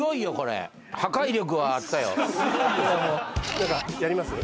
何かやります？